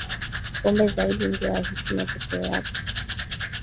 pombe zaidi ndio ahisi matokeo yake